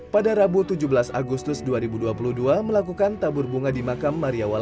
pada rabu tujuh belas agustus dua ribu dua puluh dua melakukan tabur bunga di makam mariawan